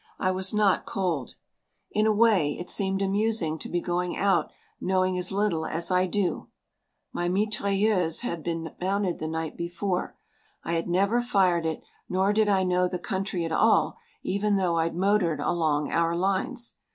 I was not cold. In a way it seemed amusing to be going out knowing as little as I do. My mitrailleuse had been mounted the night before. I had never fired it, nor did I know the country at all even though I'd motored along our lines.